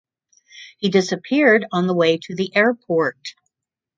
He disappeared on the way to the airport.